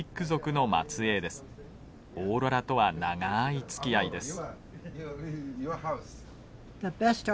オーロラとは長いつきあいです。